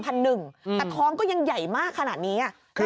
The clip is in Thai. แต่ท้องก็ยังใหญ่มากขนาดนี้